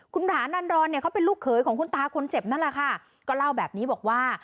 คุณผานันดรเนี่ยเขาเป็นลูกเขยของคุณตาคนเจ็บนั่นแหละค่ะก็เล่าแบบนี้บอกว่า